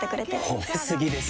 褒め過ぎですよ。